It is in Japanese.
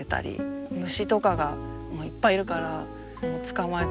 虫とかがいっぱいいるから捕まえて。